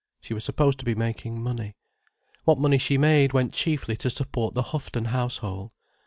She was supposed to be making money. What money she made went chiefly to support the Houghton household.